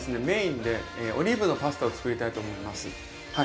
メインでオリーブのパスタを作りたいと思います。